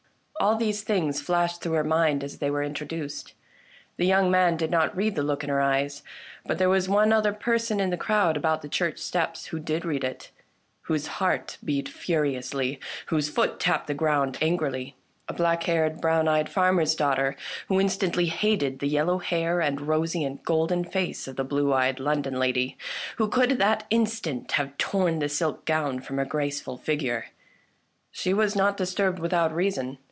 All these things flashed through her mind as they were introduced. The young man did not read the look in her eyes, but there was one other person in the crowd about the church steps who did read it, whose 142 THE LANE THAT HAD NO TURNING heart beat furiously, whose foot tapped the ground angrily — a black haired, brown eyed farmer's daugh ter, who instantly hated the yellow hair and rosy and golden face of the blue eyed London lady ; who could, that instant, have torn the silk gown from her graceful figure. She was not disturbed without reason.